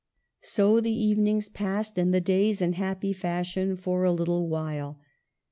So the evenings passed, and the days, in happy fashion for a little while.